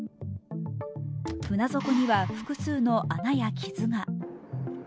船底には複数の穴や傷が。